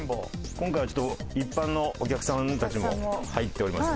今回はちょっと一般のお客さんたちも入っております。